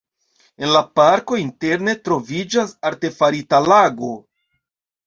En la parko interne troviĝas artefarita lago.